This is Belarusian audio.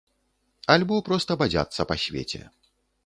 Альбо проста бадзяцца па свеце.